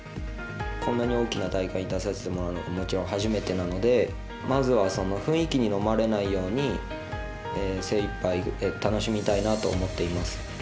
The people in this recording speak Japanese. こんなに大きな大会に出させてもらうのはもちろん初めてなのでまず、雰囲気にのまれないように精いっぱい楽しみたいなと思っています。